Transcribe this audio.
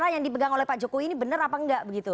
yang dipegang oleh pak jokowi ini benar apa enggak begitu